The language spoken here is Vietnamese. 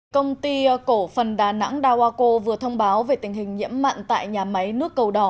công ty cổ phần đà nẵng dawako vừa thông báo về tình hình nhiễm mặn tại nhà máy nước cầu đỏ